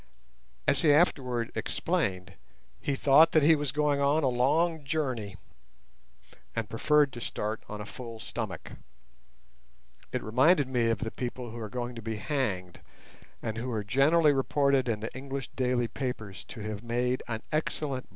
As he afterwards explained, he thought that he was going "on a long journey", and preferred to start on a full stomach. It reminded me of the people who are going to be hanged, and who are generally reported in the English daily papers to have made "an excellent breakfast".